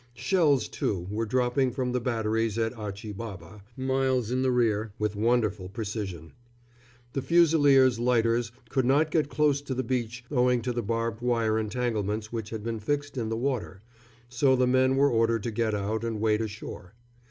Shells, too, were dropping from the batteries at Achi Baba, miles in the rear, with wonderful precision. The Fusiliers' lighters could not get close to the beach owing to the barbed wire entanglements which had been fixed in the water, so the men were ordered to get out and wade ashore.